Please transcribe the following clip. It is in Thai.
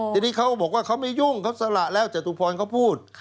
ทีนี้เขาก็บอกว่าเขาไม่ยุ่งเขาสละแล้วจตุพรเขาพูด